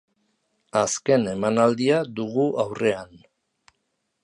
Azken emanaldia dugu aurrean.